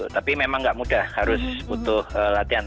tapi memang nggak mudah harus butuh latihan